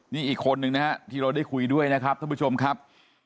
นี่อีกคนนึงนะฮะที่เราได้คุยด้วยนะครับท่านผู้ชมครับ